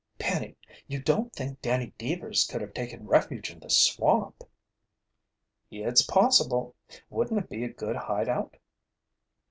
"Penny, you don't think Danny Deevers could have taken refuge in the swamp!" "It's possible. Wouldn't it be a good hideout?"